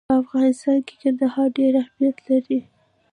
په افغانستان کې کندهار ډېر اهمیت لري.